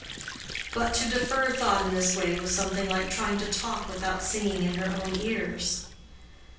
But to defer thought in this way was something like trying to talk without singing in her own ears.